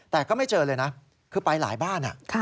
แต่ก็ไม่เจอเลยนะคือไปหลายบ้าน